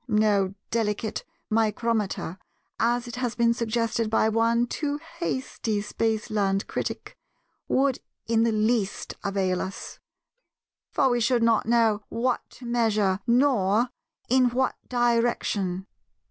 No 'delicate micrometer'—as has been suggested by one too hasty Spaceland critic—would in the least avail us; for we should not know what to measure, nor in what direction.